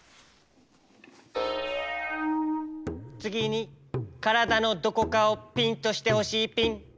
つぎにからだのどこかをピンとしてほしいピン。